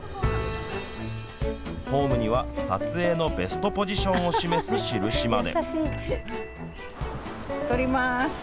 ホームには撮影のベストポジションを示す印まで。